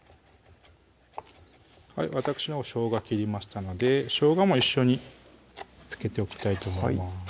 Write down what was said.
わたくしのほうしょうが切りましたのでしょうがも一緒につけておきたいと思います